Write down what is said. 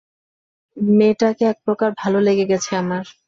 মেয়েটাকে এক প্রকার ভালো লেগে গেছে আমার।